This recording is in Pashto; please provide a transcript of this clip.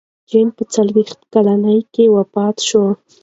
جین په څلوېښت کلنۍ کې وفات شوه.